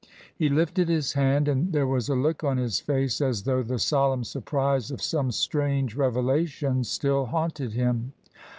He lifted his hand, and there was a look on his face as though the solemn surprise of some strange revelation still haunted him.